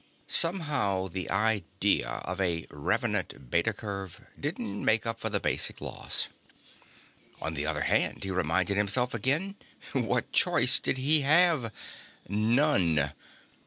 Somehow, the idea of a revenant Beta curve didn't make up for the basic loss. On the other hand, he reminded himself again, what choice did he have? None.